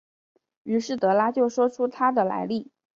于是德拉就说出他的来历。